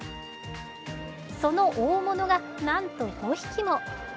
その大物がなんと５匹も。